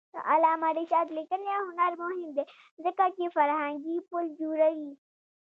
د علامه رشاد لیکنی هنر مهم دی ځکه چې فرهنګي پل جوړوي.